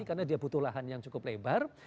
karena dia butuh lahan yang cukup lebar